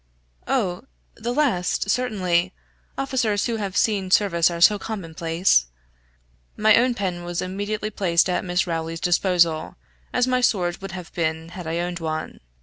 "Oh, the last, certainly officers who have seen service are so commonplace!" My own pen was immediately placed at Miss Rowley's disposal, as my sword would have been, had I owned one.